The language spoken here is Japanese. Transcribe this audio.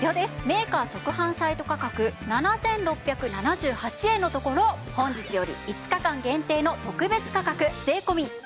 メーカー直販サイト価格７６７８円のところ本日より５日間限定の特別価格税込６４８０円です。